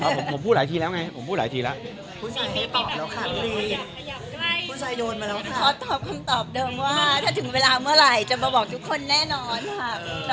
ฉันตอบคำตอบเดิมว่าถ้าถึงเวลาเมื่อไหร่มาบอกทุกคนแน่นอนครับ